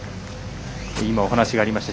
今、お話がありました。